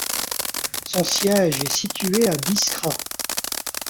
Son siège est situé à Biskra.